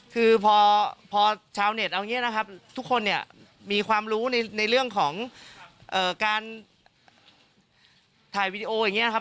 คือพอชาวเน็ตเอาอย่างนี้นะครับทุกคนเนี่ยมีความรู้ในเรื่องของการถ่ายวีดีโออย่างนี้นะครับ